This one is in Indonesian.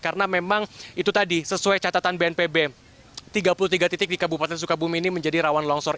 karena memang itu tadi sesuai catatan bnpb tiga puluh tiga titik di kabupaten sukabumi ini menjadi rawan longsor